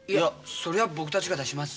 それは僕たちが出します。